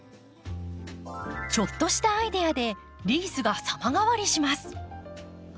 ちょっとしたアイデアでリースが様変わりします。